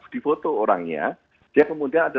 di foto orangnya dia kemudian ada